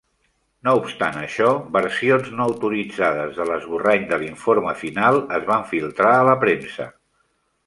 No obstant això, versions no autoritzades de l'esborrany de l'informe final es van filtrar a la premsa.